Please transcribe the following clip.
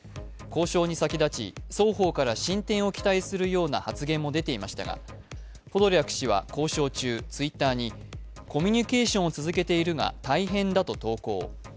交渉に先立ち双方から進展を期待するような発言も出ていましたがポドリャク氏は交渉中、Ｔｗｉｔｔｅｒにコミュニケーションを続けているが、大変だと投稿。